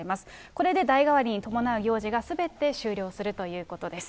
これで代替わりに伴う行事が、すべて終了するということです。